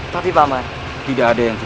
tapi pak man